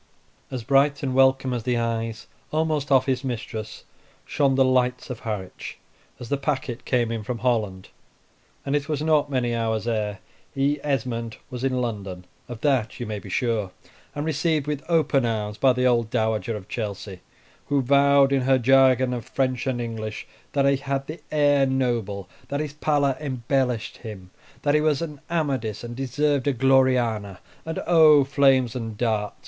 As bright and welcome as the eyes almost of his mistress shone the lights of Harwich, as the packet came in from Holland. It was not many hours ere he, Esmond, was in London, of that you may be sure, and received with open arms by the old Dowager of Chelsey, who vowed, in her jargon of French and English, that he had the air noble, that his pallor embellished him, that he was an Amadis and deserved a Gloriana; and oh! flames and darts!